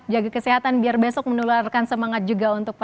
jaga kesehatan biar besok menularkan semangat juga untuk